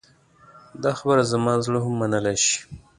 دا خبره زما زړه هم منلی شي.